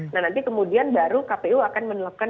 nah nanti kemudian baru kpu akan menerapkan